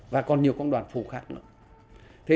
và còn nhiều công đoàn phụ khác nữa